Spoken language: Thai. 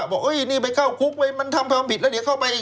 บอกนี่ไปเข้าคุกไปมันทำความผิดแล้วเดี๋ยวเข้าไปอีก